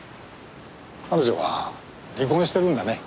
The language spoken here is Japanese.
彼女は離婚してるんだね。